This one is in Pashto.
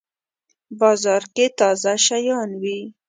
بازار کی تازه شیان وی